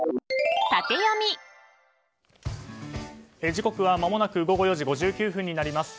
時刻はまもなく午後４時５９分になります。